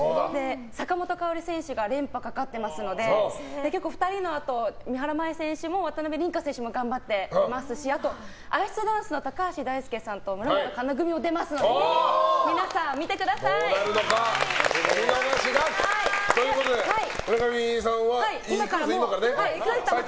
坂本花織選手が連覇かかっていますので結構２人のあと三原舞依選手や渡辺倫果選手も頑張っていますしあと、アイスダンスの高橋大輔さんと村元哉中組も出ますので皆さん、見てください。ということで、村上さんは今から行くんですよね？